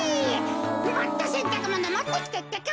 もっとせんたくものもってきてってか。